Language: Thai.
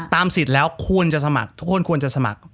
สิทธิ์แล้วควรจะสมัครทุกคนควรจะสมัคร